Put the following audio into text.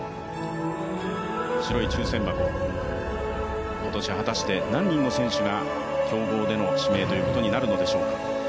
白い抽選箱、今年は果たして何人の選手が競合での指名ということになるのでしょう。